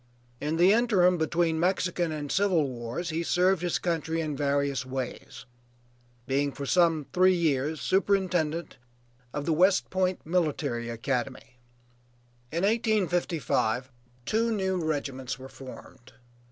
In the interim between the Mexican and Civil wars he served his country in various ways, being for some three years superintendent of the West Point Military Academy. In 1855 two new regiments were formed.